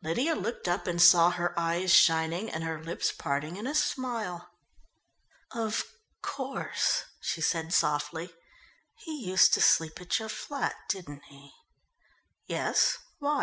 Lydia looked up and saw her eyes shining and her lips parting in a smile. "Of course," she said softly. "He used to sleep at your flat, didn't he?" "Yes, why?"